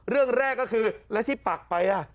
เรื่องแรกก็คือแล้วที่ปักไป